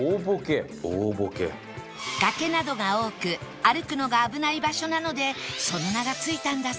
崖などが多く歩くのが危ない場所なのでその名が付いたんだそう